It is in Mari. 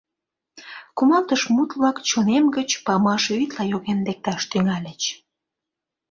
Кумалтыш мут-влак чонем гыч памаш вӱдла йоген лекташ тӱҥальыч…